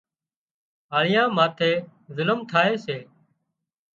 هاۯيئاان ماٿي ظلم ٿائي سي